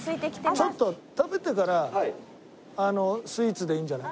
ちょっと食べてからスイーツでいいんじゃない？